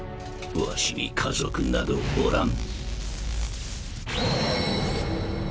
ワシに家族などおらん。